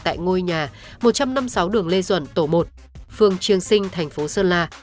tại ngôi nhà một trăm năm mươi sáu đường lê duẩn tổ một phường triêng sinh thành phố sơn la